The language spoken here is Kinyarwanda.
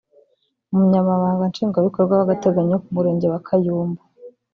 umunyamabanga nshingwabikorwa w’agateganyo w’umurenge wa Kayumbu